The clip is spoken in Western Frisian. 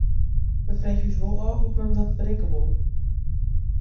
We freegje ús wol ôf hoe't men dat berikke wol.